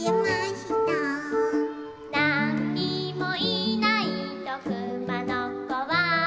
「なんにもいないとくまのこは」